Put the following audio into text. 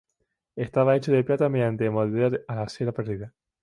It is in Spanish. Estaba hecho de plata mediante moldeo a la cera perdida.